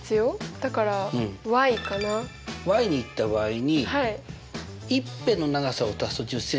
だからかな？にいった場合に１辺の長さを足すと１０ｃｍだから？